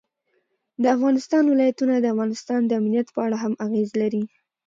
د افغانستان ولايتونه د افغانستان د امنیت په اړه هم اغېز لري.